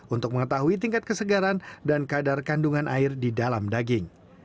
untuk mengetahui tingkat kesegaran dan kadar kandungan air di dalam daging